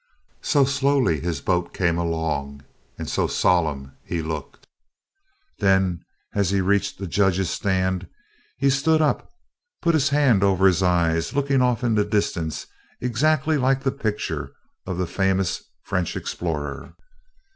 So slowly his boat came along, and so solemn he looked! Then, as he reached the judges' stand, he stood up, put his hand over his eyes, looking off in the distance, exactly like the picture of the famous French explorer.